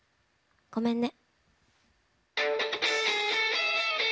「ごめんね」。